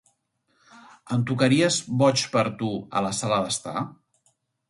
Em tocaries "Boig per tu" a la sala d'estar?